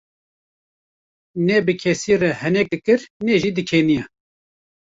Ne bi kesî re henek dikir ne jî dikeniya.